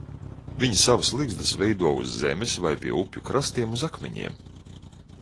Viņi savas ligzdas veido uz zemes vai pie upju krastiem uz akmeņiem.